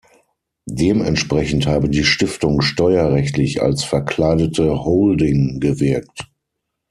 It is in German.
Dementsprechend habe die Stiftung steuerrechtlich als „verkleidete Holding“ gewirkt.